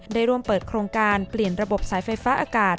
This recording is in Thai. ได้ร่วมเปิดโครงการเปลี่ยนระบบสายไฟฟ้าอากาศ